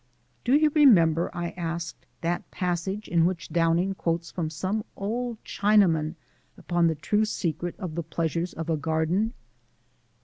Do you remember," I asked, "that passage in which Downing quotes from some old Chinaman upon the true secret of the pleasures of a garden